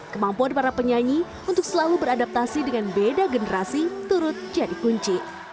kemampuan para penyanyi untuk selalu beradaptasi dengan beda generasi turut jadi kunci